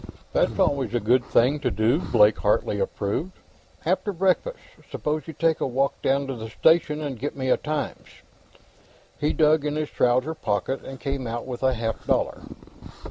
"That's always a good thing to do," Blake Hartley approved. "After breakfast, suppose you take a walk down to the station and get me a Times." He dug in his trouser pocket and came out with a half dollar.